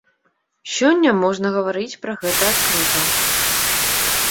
Сёння можна гаварыць пра гэта адкрыта.